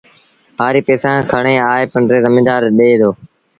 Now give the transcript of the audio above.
هآريٚ پئيٚسآ کڻي آئي پنڊري زميدآر ڏي دو